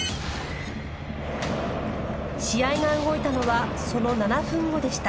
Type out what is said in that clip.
試合が動いたのはその７分後でした。